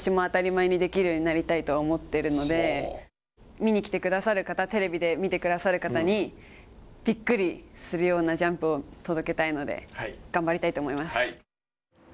見に来てくださる方、テレビで見てくださる方に、びっくりするようなジャンプを届けたいので頑張りたいと思います。